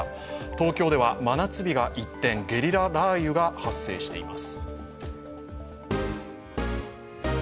東京では真夏日が一転、ゲリラ雷雨が発生しています。